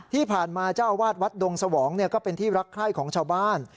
ที่ผ่านมาเจ้าอาวาสวัดดงสวองก็เป็นที่รักใคร่ของชาวบ้าน